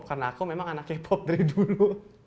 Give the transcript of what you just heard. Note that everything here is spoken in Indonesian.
karena aku memang anak k pop dari dulu